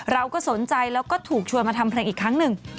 เราก็สนใจแล้วก็ถูกชวนมาทำเพลงอีกครั้งหนึ่ง